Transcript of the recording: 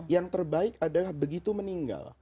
yang terbaik adalah begitu meninggal